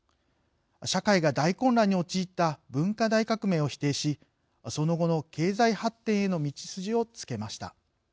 社会が大混乱に陥った文化大革命を否定しその後の経済発展への道筋をつけました。